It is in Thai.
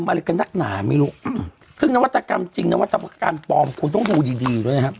อะไรกันนักหนาไม่รู้ซึ่งนวัตกรรมจริงนวัตกรรมปลอมคุณต้องดูดีดีด้วยนะครับ